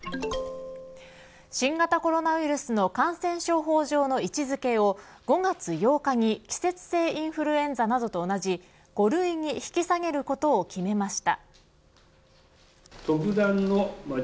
新型コロナウイルスの感染症法上の位置付けを５月８日に季節性インフルエンザなどと同じ５類に引き下げることを決めました。